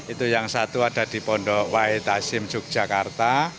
itu yang satu ada di bondok wahid tasim yogyakarta